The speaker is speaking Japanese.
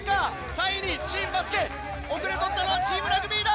３位にチームバスケ後れを取ったのはチームラグビーだ。